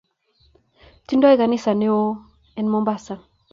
Tindo kanisa newon en Mombasa